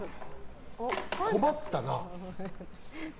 困ったな？